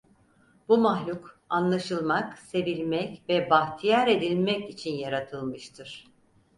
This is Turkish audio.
Bu mahluk, anlaşılmak, sevilmek ve bahtiyar edilmek için yaratılmıştır.